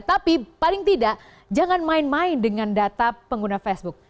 tapi paling tidak jangan main main dengan data pengguna facebook